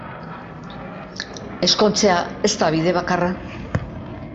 Ezkontzea ez da bide bakarra.